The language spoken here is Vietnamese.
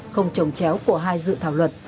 không trồng chéo của hai dự thảo luật